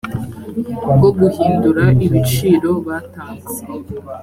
bwo guhindura ibiciro batanze